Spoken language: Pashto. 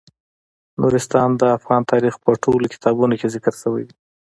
نورستان د افغان تاریخ په ټولو کتابونو کې ذکر شوی دی.